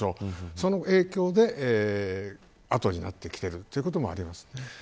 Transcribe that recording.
その影響で痕になってきているということもあります。